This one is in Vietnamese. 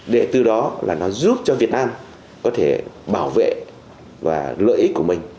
để từ đó là nó giúp cho việt nam có thể bảo vệ và lợi ích của mình